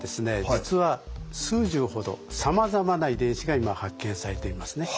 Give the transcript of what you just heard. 実は数十ほどさまざまな遺伝子が今発見されていますね。